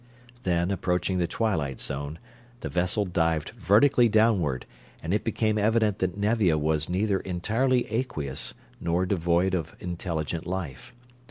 Then, approaching the twilight zone, the vessel dived vertically downward, and it became evident that Nevia was neither entirely aqueous nor devoid of intelligent life.